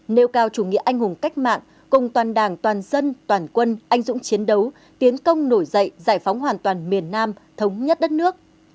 nêu cao chủ nghĩa anh hùng cách mạng cùng toàn đảng toàn dân toàn quân anh dũng chiến đấu tiến công nổi dậy giải phóng hoàn toàn miền nam thống nhất đất nước